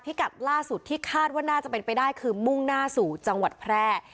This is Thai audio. กัดล่าสุดที่คาดว่าน่าจะเป็นไปได้คือมุ่งหน้าสู่จังหวัดแพร่